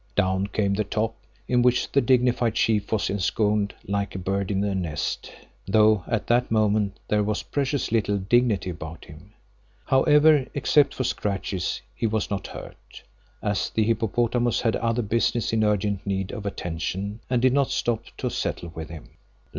Down came the top in which the dignified chief was ensconced like a bird in a nest, though at that moment there was precious little dignity about him. However, except for scratches he was not hurt, as the hippopotamus had other business in urgent need of attention and did not stop to settle with him.